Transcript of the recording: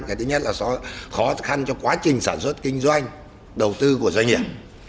cái thứ nhất là sẽ khó khăn cho quá trình sản xuất kinh doanh đầu tư của doanh nghiệp